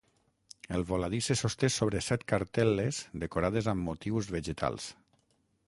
El voladís se sosté sobre set cartel·les decorades amb motius vegetals.